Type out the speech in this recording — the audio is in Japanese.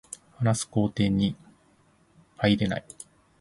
話す工程に入れない